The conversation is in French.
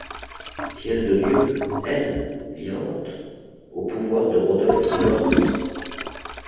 ciel de Dieu… elle… vivante… au pouvoir de Rodolphe de Gortz !…